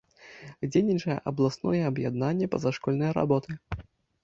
Дзейнічае абласное аб'яднанне пазашкольнай работы.